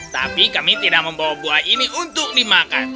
tapi kami tidak membawa buah ini untuk dimakan